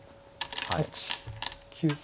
８９。